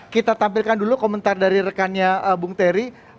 kita tampilkan dulu komentar dari rekannya bung terry